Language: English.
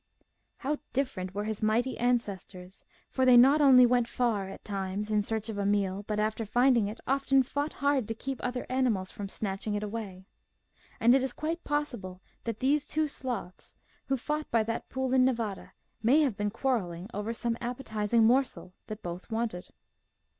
How different were his mighty ancestors! For they not only went far at times in search of a meal, 134 MIGHTY ANIMALS but, after finding it, often fought hard to keep other animals from snatching it away. And it is quite possible that those two sloths which fought by that pool in Nevada may have been quarreling over some appetizing morsel that both wanted.